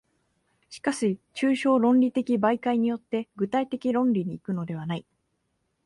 しかし抽象論理的媒介によって具体的論理に行くのではない。